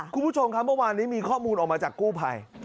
คุณผู้ชมครับเมื่อวานนี้มีข้อมูลออกมาจากกู้ภัย